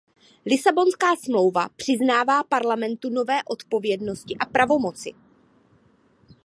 Lisabonská smlouva přiznává Parlamentu nové odpovědnosti a pravomoci.